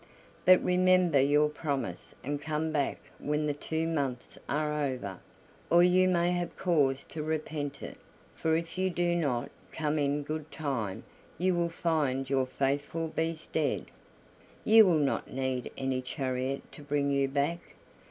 But remember your promise and come back when the two months are over, or you may have cause to repent it, for if you do not come in good time you will find your faithful Beast dead. You will not need any chariot to bring you back.